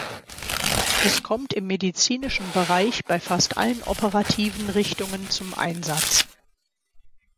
Es kommt im medizinischen Bereich bei fast allen operativen Richtungen zum Einsatz.